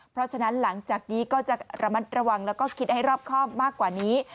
เพราะฉะนั้นหลังจากนี้ก็จะระมัดระวังแล้วก็คิดให้รอบครอบมากกว่านี้